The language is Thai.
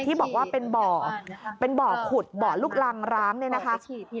ที่บอกว่าเป็นบ่อขุดบ่อลูกรังร้ำนี่นะคะ